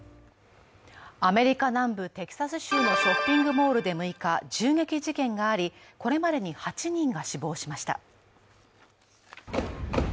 アメリカ南部テキサス州のショッピングモールで６日、銃撃事件があり、これまでに８人が死亡しました。